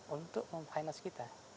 untuk memfinance kita